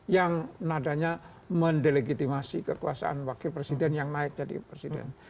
yang nadanya mendelegitimasi kekuasaan wakil presiden yang naik jadi presiden